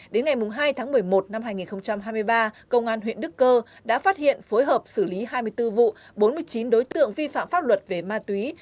đến ngày hai tháng một mươi một năm hai nghìn hai mươi ba công an huyện đức cơ đã phát hiện phối hợp xử lý hai mươi bốn vụ bốn mươi chín đối tượng vi phạm pháp luật về ma túy